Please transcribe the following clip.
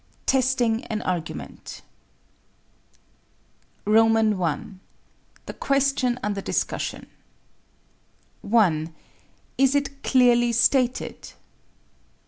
TESTING AN ARGUMENT I. THE QUESTION UNDER DISCUSSION 1. _Is it clearly stated?